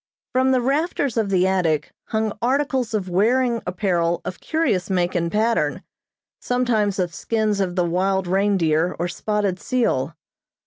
From the rafters of the attic hung articles of wearing apparel of curious make and pattern, sometimes of skins of the wild reindeer or spotted seal.